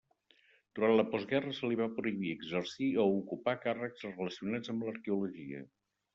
Durant la postguerra se li va prohibir exercir o ocupar càrrecs relacionats amb l'arqueologia.